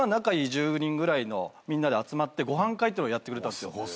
１０人ぐらいのみんなで集まってご飯会っていうのをやってくれたんですよ。